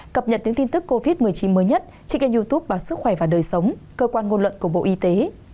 cập nhật những tin tức covid một mươi chín mới nhất trên kênh youtube báo sức khỏe và đời sống cơ quan ngôn luận của bộ y tế